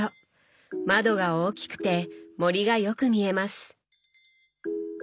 窓が大きくて森がよく見えます。